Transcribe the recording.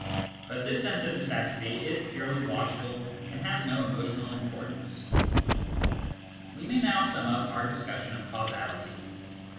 But this sense of necessity is purely logical, and has no emotional importance. We may now sum up our discussion of causality.